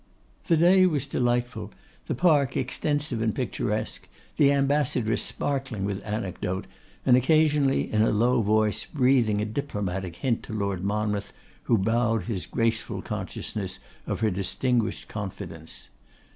The day was delightful, the park extensive and picturesque, the Ambassadress sparkling with anecdote, and occasionally, in a low voice, breathing a diplomatic hint to Lord Monmouth, who bowed his graceful consciousness of her distinguished confidence.